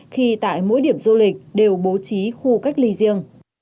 khi tại mỗi điểm du lịch đều bố trí khu cách ly riêng